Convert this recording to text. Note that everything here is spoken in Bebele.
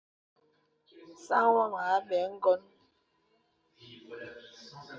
Sāŋ wam a bɛr ŋ̀koŋ.